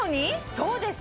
そうです！